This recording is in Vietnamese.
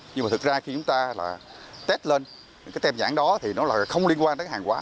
nhưng mà thật ra khi chúng ta là test lên cái tem nhãn đó thì nó là không liên quan đến hàng quá